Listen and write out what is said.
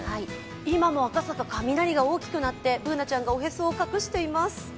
今も赤坂、雷が大きく鳴って、Ｂｏｏｎａちゃんもおへそを隠しています。